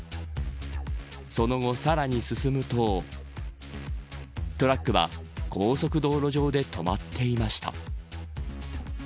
その後、さらに進むとトラックは高速道路上で止まっていました。